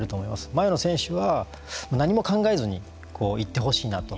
前の選手は何も考えずに行ってほしいなと。